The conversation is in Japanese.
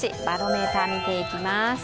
バロメーター見ていきます。